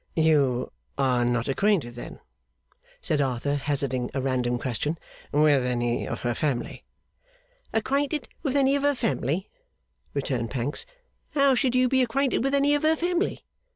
'You are not acquainted, then,' said Arthur, hazarding a random question, 'with any of her family?' 'Acquainted with any of her family?' returned Pancks. 'How should you be acquainted with any of her family?